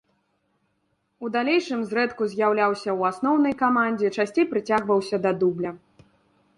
У далейшым зрэдку з'яўляўся ў асноўнай камандзе, часцей прыцягваўся да дубля.